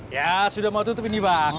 ya sudah mau tutup ini bang